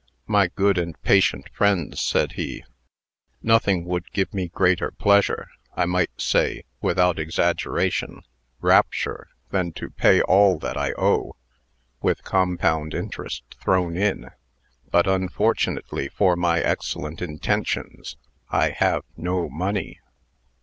"My good and patient friends," said he, "nothing would give me greater pleasure I might say, without exaggeration, rapture than to pay all that I owe, with compound interest thrown in. But, unfortunately for my excellent intentions, I have no money."